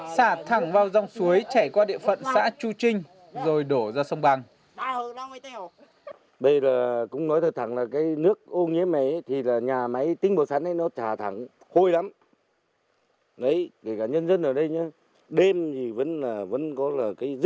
xả thẳng vào dòng suối chảy qua địa phận xã chu trinh rồi đổ ra sông bằng